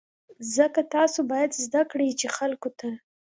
ځکه تاسو باید زده کړئ چې خلکو ته.